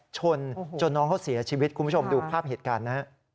ชนจนน้องเขาเสียชีวิตคุณผู้ชมดูภาพเหตุการณ์นะฮะ